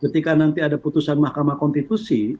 ketika nanti ada putusan mahkamah konstitusi